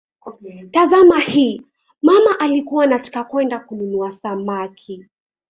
Tazama hii: "mama alikuwa anataka kwenda kununua samaki".